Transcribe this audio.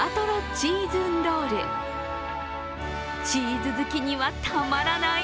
チーズ好きにはたまらない。